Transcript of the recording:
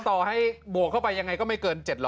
ต่อให้บวกเข้าไปยังไงก็ไม่เกิน๗๐๐